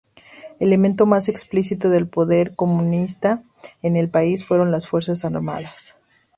El elemento más explícito del poder comunista en el país fueron las fuerzas armadas.